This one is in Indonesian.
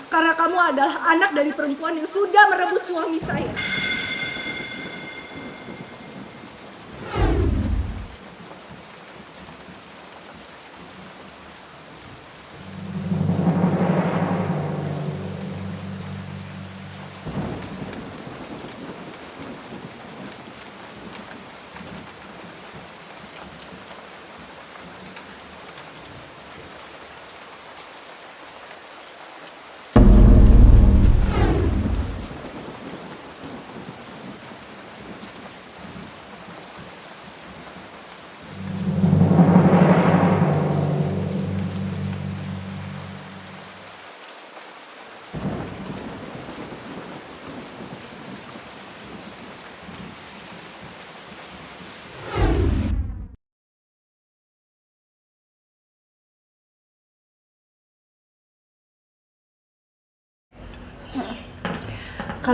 karena kamu adalah anak dari perempuan yang sudah merebut suami saya